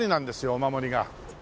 お守りが。